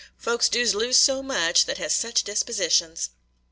Folks doos lose so much, that hes sech dispositions."